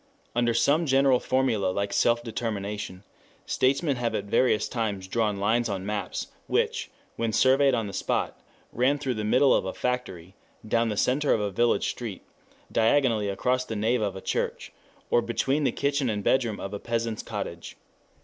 Under some general formula like self determination statesmen have at various times drawn lines on maps, which, when surveyed on the spot, ran through the middle of a factory, down the center of a village street, diagonally across the nave of a church, or between the kitchen and bedroom of a peasant's cottage.